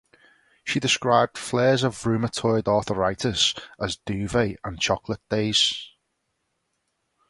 She described flares of rheumatoid arthritis as "duvet and chocolate days".